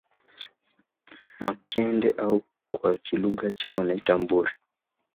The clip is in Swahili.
Makande au kwa kilugha chao wanaita Mbure